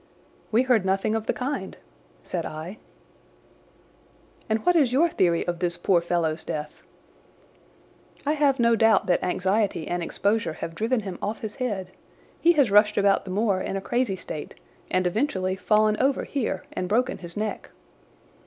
"We heard nothing of the kind," said I. "And what is your theory of this poor fellow's death?" "I have no doubt that anxiety and exposure have driven him off his head. He has rushed about the moor in a crazy state and eventually fallen over here and broken his neck."